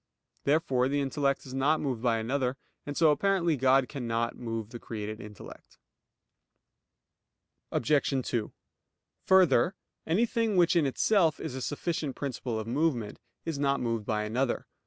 Therefore the intellect is not moved by another; and so apparently God cannot move the created intellect. Obj. 2: Further, anything which in itself is a sufficient principle of movement, is not moved by another.